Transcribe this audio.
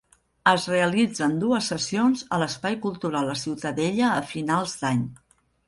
Es realitzen dues sessions a l'Espai Cultural la Ciutadella a finals d'any.